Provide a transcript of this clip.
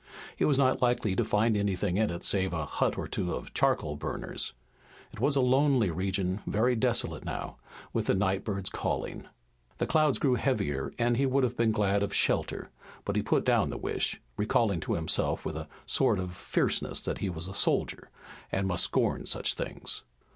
He was not likely to find anything in it save a hut or two of charcoal burners. It was a lonely region, very desolate now, with the night birds calling. The clouds grew heavier and he would have been glad of shelter, but he put down the wish, recalling to himself with a sort of fierceness that he was a soldier and must scorn such things.